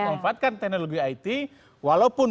memanfaatkan teknologi it walaupun